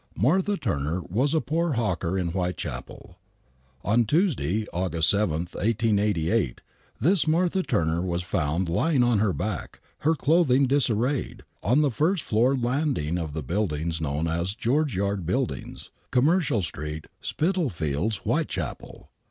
Martha Turner was a poor hawker in Whitechapel. On Tuesday, August 7, 1888, this Martha Turner was found lying on her back, her clothing disarrayed, on the first floor land ing of the buildings known as George Yard Buildings,, Commercial Street, Spitalfields, Whitechapel.